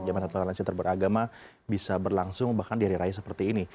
jumat natal malaysia terberagama bisa berlangsung bahkan di hari raya seperti ini